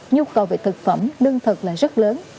nhu cầu về thực phẩm lương thực là rất lớn